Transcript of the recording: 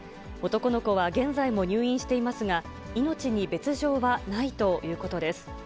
男の子は現在も入院していますが、命に別状はないということです。